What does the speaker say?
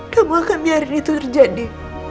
kamu akan biarin itu terjadi